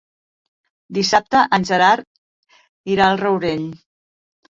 Dissabte en Gerard irà al Rourell.